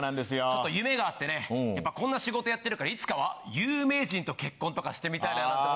ちょっと夢があってねやっぱこんな仕事やってるからいつかは有名人と結婚とかしてみたいななんて思う。